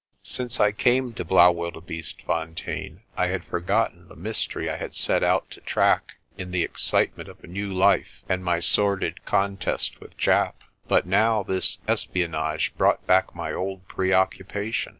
Since I came to Blaauwildebeestefontein I had forgotten the mystery I had set out to track in the excitement of a new life and my sordid contest with Japp. But now this espion age brought back my old preoccupation.